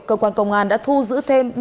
cơ quan công an đã thu giữ thêm